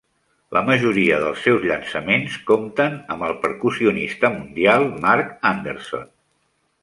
La majoria dels seus llançaments compten amb el percussionista mundial Marc Anderson.